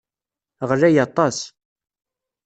Ɣlay aṭas.